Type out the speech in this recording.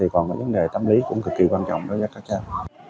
còn vấn đề tâm lý cũng cực kỳ quan trọng đó cho các cháu